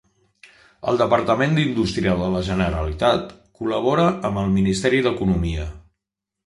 El Departament d'Indústria de la Generalitat col·labora amb el Ministeri d'Economia.